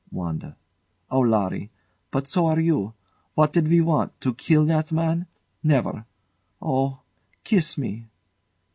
WANDA. Oh, Larry! But so are you. What did we want to kill that man? Never! Oh! kiss me!